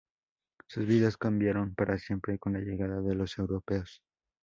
Sus vidas cambiarán para siempre con la llegada de los europeos.